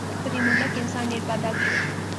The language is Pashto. په دې موده کې انسان ډېر بدل شو.